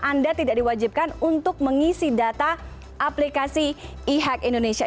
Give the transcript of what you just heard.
anda tidak diwajibkan untuk mengisi data aplikasi e hack indonesia